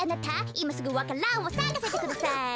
いますぐわか蘭をさかせてください。